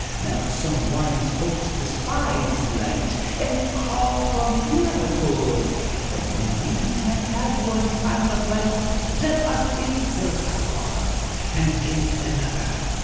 Now, some wise folks despise light, and call for miracles: but when we can't have one kind of light, let us be philosophical, and take another.